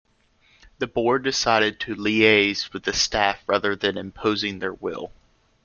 The board decided to liaise with the staff rather than imposing their will.